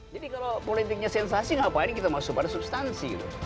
jadi kalau politiknya sensasi ngapain kita masuk pada substansi